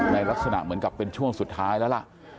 ลักษณะเหมือนกับเป็นช่วงสุดท้ายแล้วล่ะ